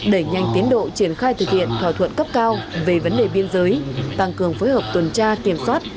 đẩy nhanh tiến độ triển khai thực hiện thỏa thuận cấp cao về vấn đề biên giới tăng cường phối hợp tuần tra kiểm soát